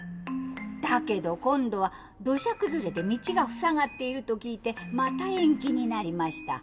だけど今度は土砂崩れで道が塞がっていると聞いてまた延期になりました。